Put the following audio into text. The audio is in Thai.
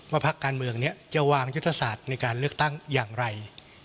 พักการเมืองนี้จะวางยุทธศาสตร์ในการเลือกตั้งอย่างไร